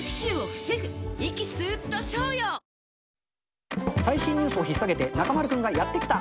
ニトリ最新ニュースをひっさげて、中丸君がやって来た。